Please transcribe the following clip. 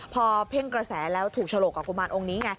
พอเพ่งกระแสแล้วถูกฉลกกับกุมารองค์นี้ไง